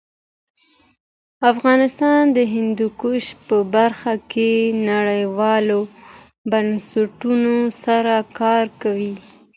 افغانستان د هندوکش په برخه کې نړیوالو بنسټونو سره کار کوي.